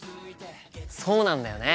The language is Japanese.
そうなんだよね。